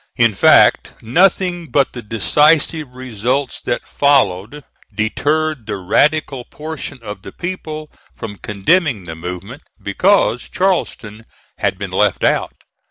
In fact, nothing but the decisive results that followed, deterred the radical portion of the people from condemning the movement, because Charleston had been left out.